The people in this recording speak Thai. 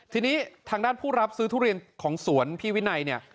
ทีนี้ทางด้านผู้รับซื้อทุเรียนของสวนพี่วินัยเนี่ย